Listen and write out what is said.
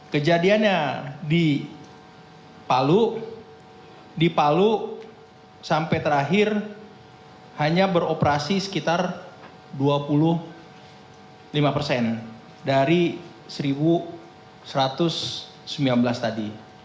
kejadiannya di palu di palu sampai terakhir hanya beroperasi sekitar dua puluh lima persen dari satu satu ratus sembilan belas tadi